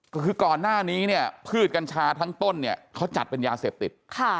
ก็คือก่อนหน้านี้เนี่ยพืชกัญชาทั้งต้นเนี่ยเขาจัดเป็นยาเสพติด